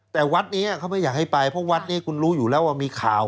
แต่วัดนี้เขาไม่อยากให้ไปเพราะวัดนี้คุณรู้อยู่แล้วว่ามีข่าว